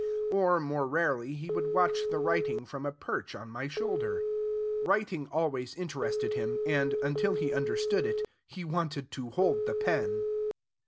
Or, more rarely, he would watch the writing from a perch on my shoulder. Writing always interested him, and, until he understood it, he wanted to hold the pen.